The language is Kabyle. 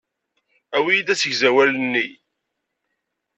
Awi-yi-d asegzawal-nni.